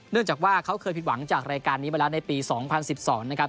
เนื่องจากว่าเค้าเคยผิดหวังจากรายการนี้มาแล้วในปีสองพันสิบสองนะครับ